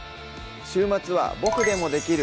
週末は「ボクでもできる！